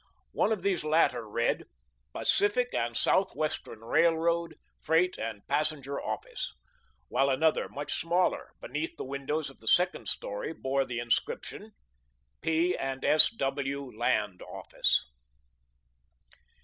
One of these latter read, "Pacific and Southwestern Railroad, Freight and Passenger Office," while another much smaller, beneath the windows of the second story bore the inscription, "P. and S. W. Land Office."